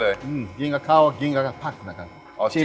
อืมสาวอุ่นกากสาวอุ่นกากเซี่ย